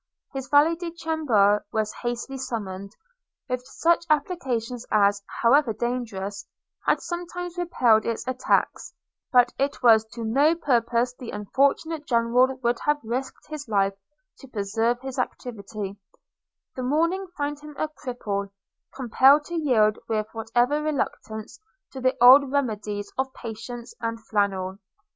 His valet de chambre was hastily summoned, with such applications as, however dangerous, had sometimes repelled its attacks; but it was to no purpose the unfortunate General would have risked his life to preserve his activity; the morning found him a cripple, compelled to yield, with whatever reluctance, to the old remedies of patience and flannel.